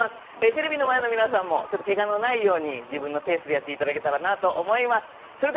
テレビの前の皆さんもけがのないように自分のペースでやっていただけたらと思います。